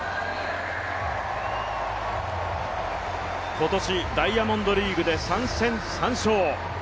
今年ダイヤモンドリーグで３戦３勝。